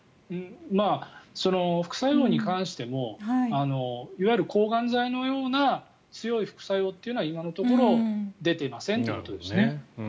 副作用に関してもいわゆる抗がん剤のような強い副作用は今のところ出ていませんということですね。